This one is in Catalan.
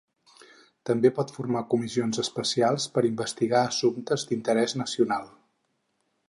També pot formar comissions especials per investigar assumptes d'interès nacional.